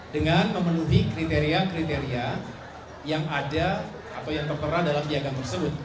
dengan memenuhi kriteria kriteria yang ada atau yang tertera dalam piagam tersebut